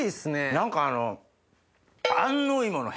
何かあの。